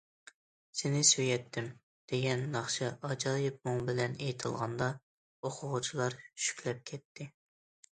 « سېنى سۆيەتتىم» دېگەن ناخشا ئاجايىپ مۇڭ بىلەن ئېيتىلغاندا، ئوقۇغۇچىلار شۈكلەپ كەتتى.